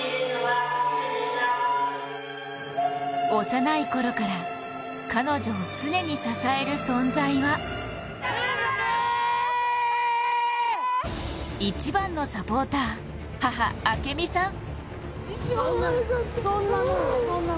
幼いころから彼女を常に支える存在は一番のサポーター、母・明美さん。